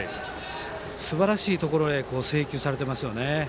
すばらしいところへ制球されていますよね。